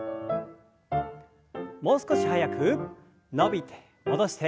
もう少し速く伸びて戻して。